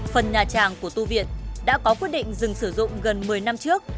phần nhà tràng của tu viện đã có quyết định dừng sử dụng gần một mươi năm trước